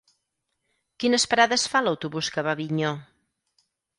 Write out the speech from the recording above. Quines parades fa l'autobús que va a Avinyó?